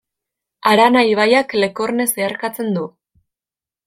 Harana ibaiak Lekorne zeharkatzen du.